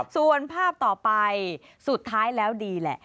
ส่วนภาพต่อไปสุดท้ายแล้วดีแหละ